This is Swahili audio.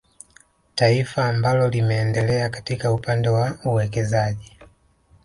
Taifa amabalo limeendelea katika upande wa uwekezaji